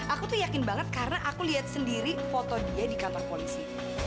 aku tuh yakin banget karena aku lihat sendiri foto dia di kantor polisi